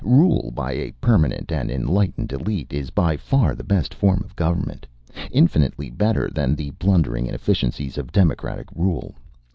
Rule by a permanent and enlightened elite is by far the best form of government; infinitely better than the blundering inefficiencies of democratic rule.